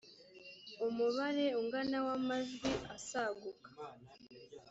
umubare ungana w amajwi asaguka